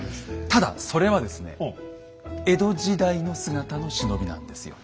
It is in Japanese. ただそれはですね江戸時代の姿の忍びなんですよ。